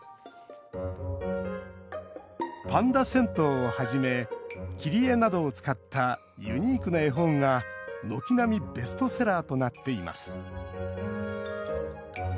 「パンダ銭湯」をはじめ切り絵などを使ったユニークな絵本が軒並みベストセラーとなっています。